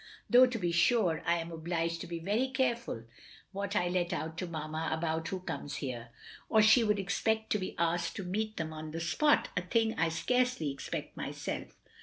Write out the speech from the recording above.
Though to be sure, I am obliged to be very careftil what I let out to Mamma about who comes here, or she would expect to be asked to meet them on the spot, a thing I scarcely expect myself.